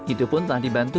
itu pun tak dibantu